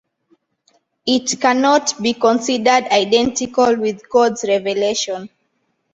It cannot be considered identical with God's revelation.